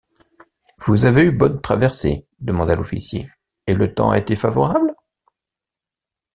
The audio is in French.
Vous avez eu bonne traversée, demanda l’officier... et le temps a été favorable?...